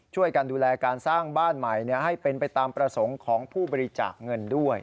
ช่วยกันดูแลการสร้างบ้านใหม่ให้เป็นไปตามประสงค์ของผู้บริจาคเงินด้วย